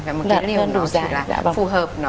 và một cái điều nó chỉ là phù hợp